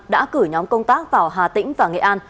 đã cử nhóm công tác vào hà tĩnh và nghệ an